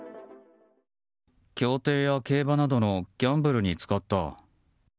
競艇や競馬などのギャンブルに使った。